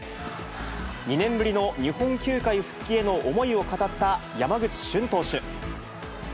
２年ぶりの日本球界復帰への思いを語った山口俊投手。